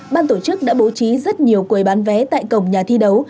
ban tổ chức đã bố trí rất nhiều quầy bán vé tại cổng nhà thi đấu